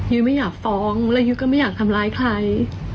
ไม่อยากฟ้องแล้วยุ้ยก็ไม่อยากทำร้ายใคร